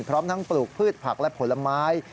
พร้อมทั้งปลูกพืชผักและผลไม้